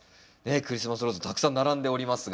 クリスマスローズたくさん並んでおりますが。